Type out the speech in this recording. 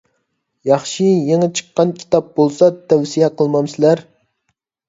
ياخشى، يېڭى چىققان كىتاب بولسا تەۋسىيە قىلمامسىلەر؟